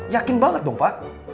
yakin banget dong pak